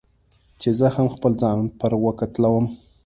چې زه هم خپل ځان پر وکتلوم.